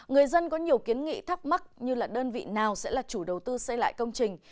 người dân có nhiều kiến nghị thắc mắc như là đơn vị nào sẽ là chủ đầu tư xây lại công trình